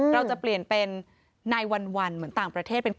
เราจะเปลี่ยนเป็น๙๑๑เหมือนต่างประเทศเป็น๙๑๑